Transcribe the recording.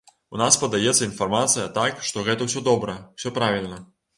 У нас падаецца інфармацыя так, што гэта ўсё добра, усё правільна.